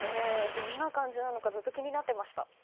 どんな感じなのかずっと気になってました。